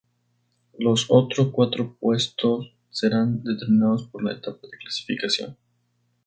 Los otros cuatro puestos serán determinados por la etapa de clasificación.